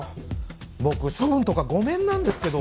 僕処分とか御免なんですけど。